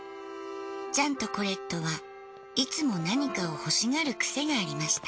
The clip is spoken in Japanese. ジャンとコレットはいつも何かを欲しがる癖がありました